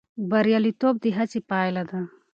بریالیتوب د هڅې پایله ده.